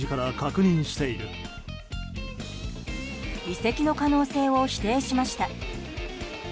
移籍の可能性を否定しました。